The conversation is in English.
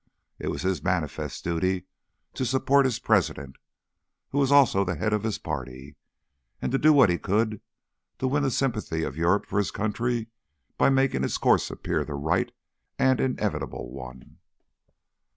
It was his manifest duty to support his President, who was also the head of his party, and to do what he could to win the sympathy of Europe for his country by making its course appear the right and inevitable one.